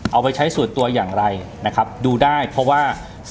เอาไปใช้ส่วนตัวอย่างไรนะครับดูได้เพราะว่า